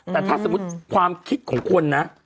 แต่ถ้าสมมุติความคิดของคนนะ